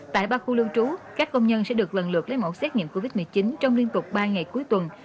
tại ba khu lưu trú các công nhân sẽ được lần lượt lấy mẫu xét nghiệm covid một mươi chín trong liên tục ba ngày cuối tuần